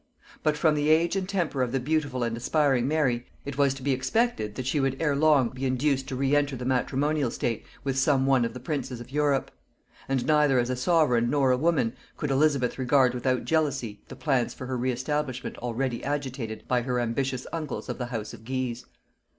But from the age and temper of the beautiful and aspiring Mary, it was to be expected that she would ere long be induced to re enter the matrimonial state with some one of the princes of Europe; and neither as a sovereign nor a woman could Elizabeth regard without jealousy the plans for her reestablishment already agitated by her ambitious uncles of the house of Guise.